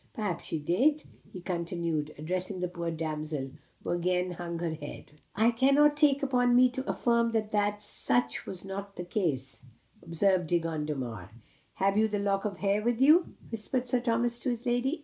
Perhaps she did," he continued, addressing the poor damsel, who again hung her head. "I can take upon me to affirm that such was not the case," observed De Gondomar. "Have you the lock of hair with you?" whispered Sir Thomas to his lady.